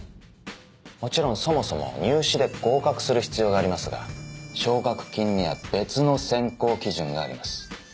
もちろんそもそも入試で合格する必要がありますが奨学金には別の選考基準があります。